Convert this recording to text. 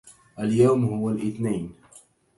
اليوم هو الإثنين